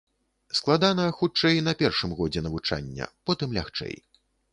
Складана, хутчэй, на першым годзе навучання, потым лягчэй.